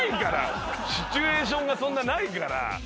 シチュエーションがそんなないから。